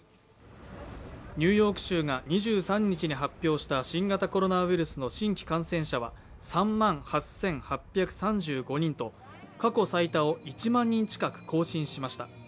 ニューヨーク州が２３日に発表した新型コロナウイルスの新規感染者は３万８８３５人と、過去最多を１万人近く更新しました。